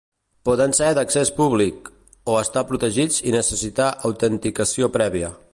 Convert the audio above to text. Poden ser d'accés públic, o estar protegits i necessitar autenticació prèvia.